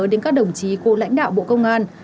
đến các đồng chí cố lãnh đạo bộ công an